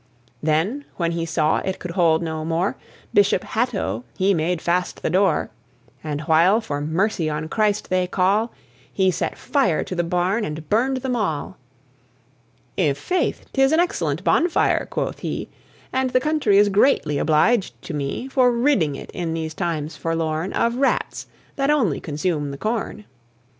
Then, when he saw it could hold no more, Bishop Hatto, he made fast the door; And while for mercy on Christ they call, He set fire to the barn and burned them all. "I' faith, 'tis an excellent bonfire!" quoth he; "And the country is greatly obliged to me For ridding it in these times forlorn Of Rats that only consume the corn."